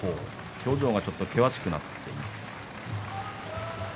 表情がちょっと険しくなっています。